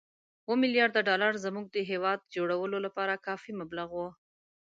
اووه ملیارده ډالر زموږ د هېواد جوړولو لپاره کافي مبلغ وو.